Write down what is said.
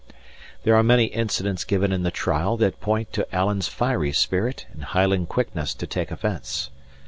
There are many incidents given in the trial that point to Alan's fiery spirit and Highland quickness to take offence.